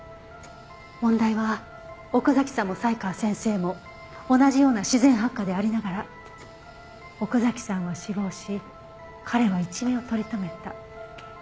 問題は奥崎さんも才川先生も同じような自然発火でありながら奥崎さんは死亡し彼は一命を取り留めた。